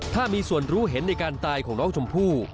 ถ้ามีส่วนรู้เห็นในการตายของน้องชมพู่